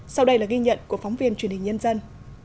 sau đây là ghi nhận của phóng viên truyền hình nhân dân